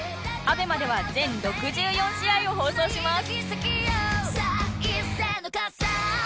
ＡＢＥＭＡ では全６４試合を放送します